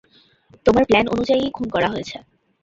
তোমার প্ল্যান অনুযায়ীই খুন করা হয়েছে।